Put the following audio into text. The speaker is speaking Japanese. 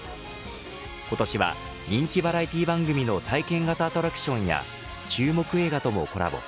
今年は人気バラエティー番組の体験型アトラクションや注目映画ともコラボ。